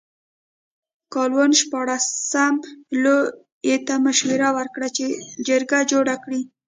کالون شپاړسم لویي ته مشوره ورکړه چې جرګه جوړه کړي.